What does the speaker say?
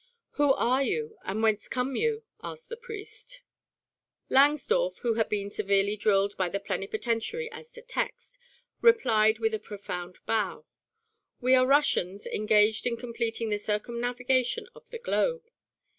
"Who are you and whence come you?" asked the priest. Langsdorff, who had been severely drilled by the plenipotentiary as to text, replied with a profound bow: "We are Russians engaged in completing the circumnavigation of the globe.